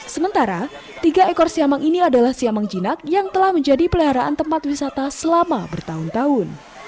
sementara tiga ekor siamang ini adalah siamang jinak yang telah menjadi peliharaan tempat wisata selama bertahun tahun